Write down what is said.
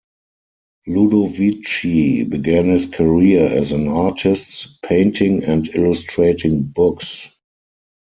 Ludovici began his career as an artist, painting and illustrating books.